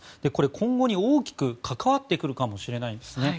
今後に大きく関わってくるかもしれないんですね。